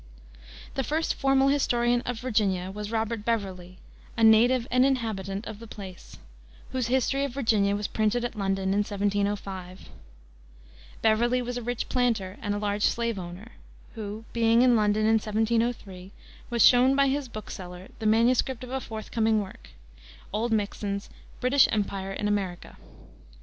The first formal historian of Virginia was Robert Beverley, "a native and inhabitant of the place," whose History of Virginia was printed at London in 1705. Beverley was a rich planter and large slave owner, who, being in London in 1703, was shown by his bookseller the manuscript of a forthcoming work, Oldmixon's British Empire in America.